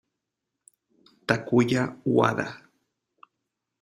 Takuya Wada